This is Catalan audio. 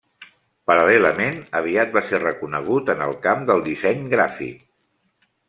Paral·lelament, aviat va ser reconegut en el camp del disseny gràfic.